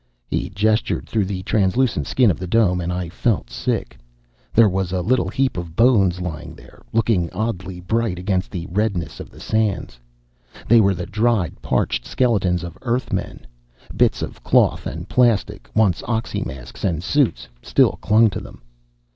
He gestured through the translucent skin of the Dome, and I felt sick. There was a little heap of bones lying there, looking oddly bright against the redness of the sands. They were the dried, parched skeletons of Earthmen. Bits of cloth and plastic, once oxymasks and suits, still clung to them.